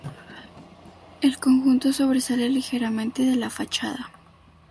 El conjunto sobresale ligeramente de la fachada.